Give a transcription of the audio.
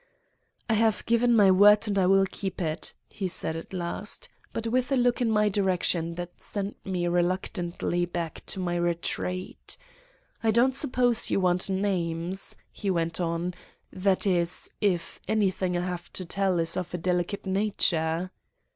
"'I have given my word and will keep it,' he said at last, but with a look in my direction that sent me reluctantly back to my retreat. 'I don't suppose you want names,' he went on, 'that is, if anything I have to tell is of a delicate nature?